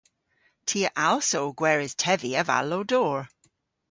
Ty a allsa ow gweres tevi avallow-dor.